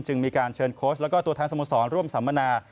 จึงมีการเชิญโค้ชและตัวทางสมสรรค์ร่วมสัมมนา